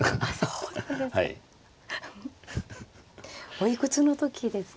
おいくつの時ですか。